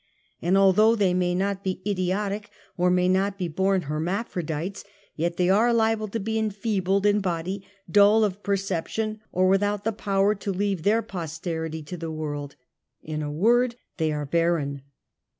And although they may not be idiotic, or may not be born her maphrodites, yet they are liable to be enfeebled in body, dull of perception, or without the power to leave their posterity to the world — in a word they are 62 UNMASKED. barren.